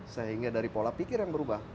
sehingga dari pola pikir yang berubah